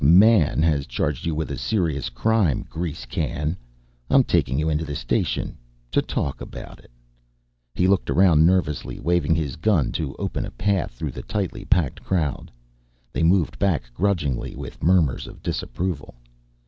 "This man has charged you with a serious crime, grease can. I'm taking you into the station house to talk about it." He looked around nervously, waving his gun to open a path through the tightly packed crowd. They moved back grudgingly, with murmurs of disapproval.